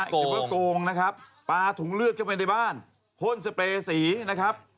นี่นะเขียนคำว่าโกงนะครับปาถุงเลือดเข้าไปในบ้านพ่นสเปรย์สีนะครับ